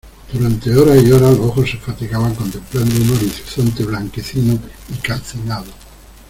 durante horas y horas, los ojos se fatigaban contemplando un horizonte blanquecino y calcinado.